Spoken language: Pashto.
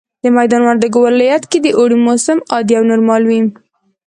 د ميدان وردګ ولايت کي د اوړي موسم عادي او نورمال وي